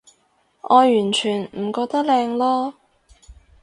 我完全唔覺得靚囉